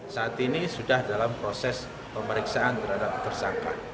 saat ini sudah dalam proses pemeriksaan terhadap tersangka